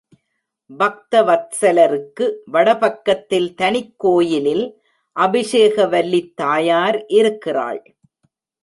பக்தவத்ஸலருக்கு வடபக்கத்தில் தனிக்கோயிலில் அபஷேகவல்லித் தாயார் இருக்கிறாள்.